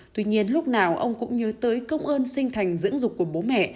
tuy nhiên lúc nào ông cũng nhớ tới công ơn sinh thành dưỡng dục của bố mẹ